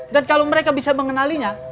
dan kalau mereka bisa mengenalinya